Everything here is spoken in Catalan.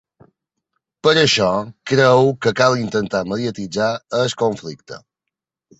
Per això, creu que cal intentar ‘mediatitzar’ el conflicte.